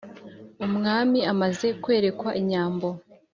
umwami amaze kwerekwa inyambo